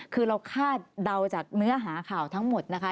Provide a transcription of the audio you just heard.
คือเราคาดเดาจากเนื้อหาข่าวทั้งหมดนะคะ